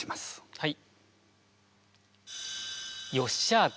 はい。